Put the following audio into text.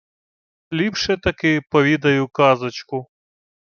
— Ліпше-таки повідаю казочку.